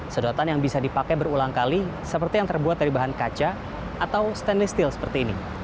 sedotan yang bisa dipakai berulang kali seperti yang terbuat dari bahan kaca atau stainless steel seperti ini